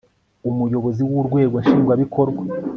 umuyobozi w urwego nshingwabikorwa